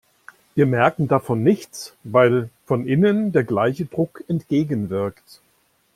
Wir merken davon nichts, weil von innen der gleiche Druck entgegenwirkt.